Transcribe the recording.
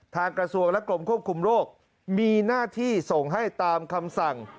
กระทรวงและกรมควบคุมโรคมีหน้าที่ส่งให้ตามคำสั่ง